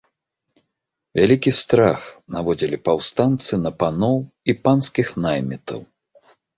Вялікі страх наводзілі паўстанцы на паноў і панскіх наймітаў.